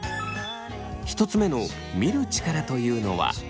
１つ目の見る力というのは。